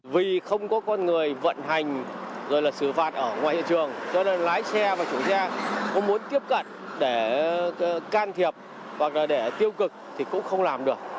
vì không có con người vận hành rồi là xử phạt ở ngoài thị trường cho nên lái xe và chủ xe có muốn tiếp cận để can thiệp hoặc là để tiêu cực thì cũng không làm được